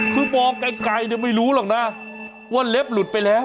คือมองไกลไม่รู้หรอกนะว่าเล็บหลุดไปแล้ว